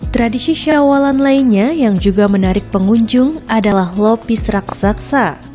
tradisi syawalan lainnya yang juga menarik pengunjung adalah lopis raksasa